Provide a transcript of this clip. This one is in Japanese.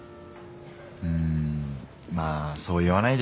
んーまあそう言わないでよ。